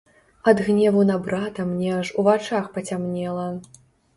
Ад гневу на брата мне аж у вачах пацямнела.